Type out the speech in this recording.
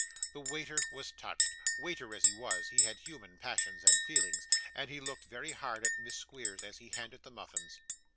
The waiter was touched. Waiter as he was, he had human passions and feelings, and he looked very hard at Miss Squeers as he handed the muffins.